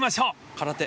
空手？